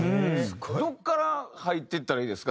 どこから入ってったらいいですか？